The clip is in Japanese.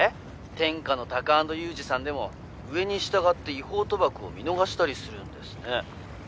天下のタカ＆ユージさんでも上に従って違法賭博を見逃したりするんですね